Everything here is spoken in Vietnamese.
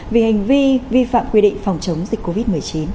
vì hành vi vi phạm quy định phòng chống dịch covid một mươi chín